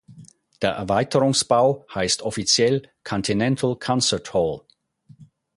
Der Erweiterungsbau heißt offiziell „Continental Concert Hall“.